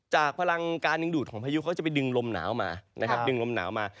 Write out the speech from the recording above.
จากพลังการยึดของพายุเค้าจะไปดึงลมหนาวมา